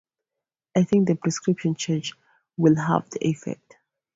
I think the prescription charge will have that effect.